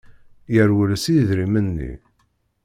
Yerwel s yidrimen-nni.